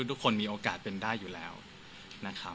ทุกคนมีโอกาสเป็นได้อยู่แล้วนะครับ